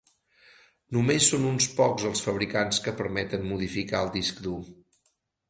Només són uns pocs els fabricants que permeten modificar el disc dur.